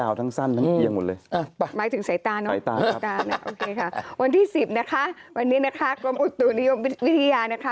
วันที่๑๐นะคะวันนี้นะคะกรมอุตุนิยมวิทยานะคะ